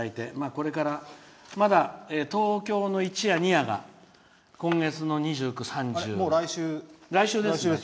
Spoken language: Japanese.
これからまだ、東京の１夜、２夜が今月の２９、３０来週ですね。